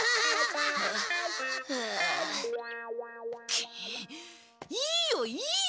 クッいいよいいよ。